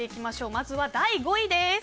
まずは第５位です。